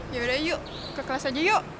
yaudah yuk ke kelas aja yuk